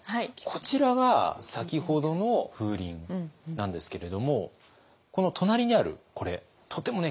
こちらが先ほどの風鈴なんですけれどもこの隣にあるこれとても貴重なものなんです。